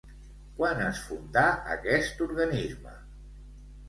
Quan es fundà aquest organisme?